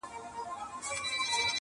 مینه که وي جرم قاسم یار یې پرستش کوي,